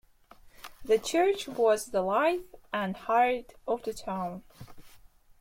The church was the life and heart of the town.